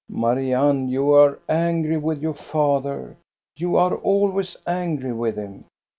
" Marianne, you are angry with your father. You are always angry with him.